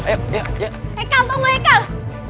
hekal tunggu hekal